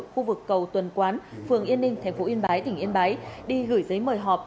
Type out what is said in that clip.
khu vực cầu tuần quán phường yên ninh tp yên bái tỉnh yên bái đi gửi giấy mời họp